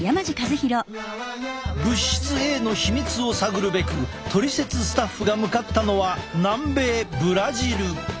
物質Ａの秘密を探るべくトリセツスタッフが向かったのは南米ブラジル。